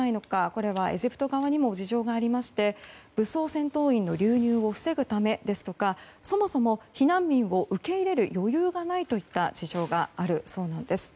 これはエジプト側にも事情がありまして武装戦闘員の流入を防ぐためですとかそもそも避難民を受け入れる余裕がないといった事情があるそうなんです。